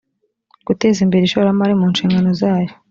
guteza imbere ishoramari mu nshingano zayo